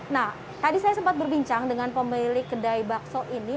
nah tadi saya sempat berbincang dengan pemilik kedai bakso ini